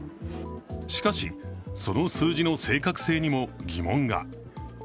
しかし、その数字の正確性にも疑問が。